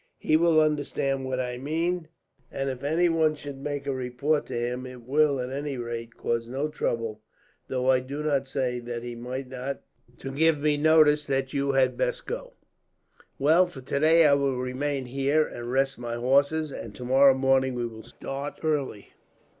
He will understand what I mean, and if anyone should make a report to him it will, at any rate, cause no trouble; though I do not say that he might not feel obliged to give me notice that you had best go. "Well, for today I will remain here and rest my horses; and tomorrow morning we will start, early.